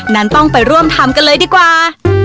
นั้นต้องไปร่วมทำกันเลยดีกว่า